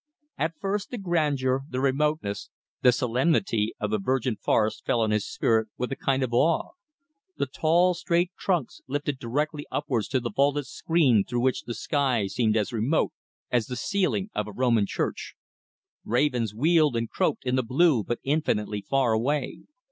At first the grandeur, the remoteness, the solemnity of the virgin forest fell on his spirit with a kind of awe. The tall, straight trunks lifted directly upwards to the vaulted screen through which the sky seemed as remote as the ceiling of a Roman church. Ravens wheeled and croaked in the blue, but infinitely far away.